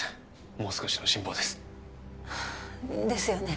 もう少しの辛抱ですですよね